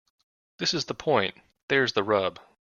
This is the point. There's the rub.